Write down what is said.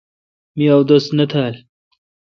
می اودس نہ تھال۔